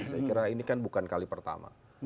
saya kira ini kan bukan kali pertama